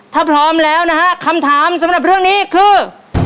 ถ้าพร้อมแล้วนะฮะคำถามสำหรับเรื่องนี้คือ